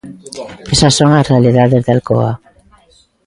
Esas son as realidades de Alcoa.